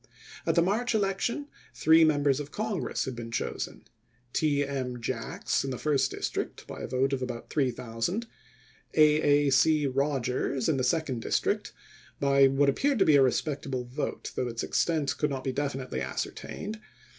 At the March election three Members of Congress had been chosen : T. M. Jacks in the first district, by a vote of about 3000 ; A. A. C. Rogers in the second district, by what appeared to be a respectable vote, though its extent could not be definitely ascertained ; and Mc pherson, " History of the Rebellion,' p. 587.